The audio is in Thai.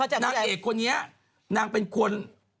นางเอกคนนี้นางเป็นคน